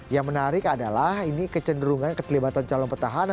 yang menarik adalah ini kecenderungan keterlibatan calon petahana